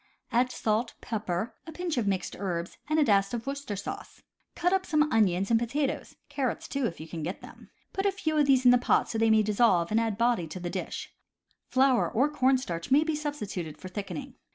Add salt, pepper, a pinch of mixed herbs, and a dash of Worces tershire sauce. Cut up jBne some onions and potatoes (carrots, too, if you can get them). Put a few of these in the pot so they may dissolve and add body to the dish (flour or corn starch may be substituted for thick ening).